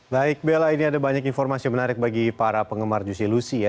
baik bella ini ada banyak informasi menarik bagi para penggemar juicy lucy ya